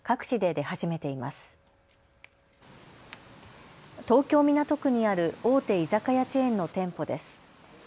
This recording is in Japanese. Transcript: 東京港区にある大手居酒屋チェーンの店舗です。